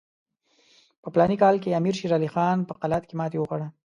په فلاني کال کې امیر شېر علي خان په قلات کې ماته وخوړه.